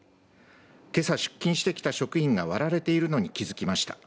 けさ出勤してきた職員が割られているのに気づきました。